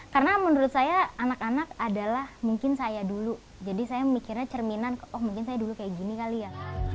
karena menurut saya anak anak adalah mungkin saya dulu jadi saya mikirnya cerminan oh mungkin saya dulu kayak gini kali ya